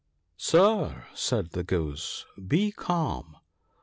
" Sir," said the Goose, " be calm